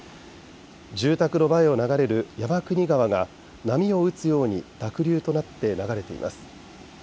住宅の前を流れる山国川が波を打つように濁流となって流れています。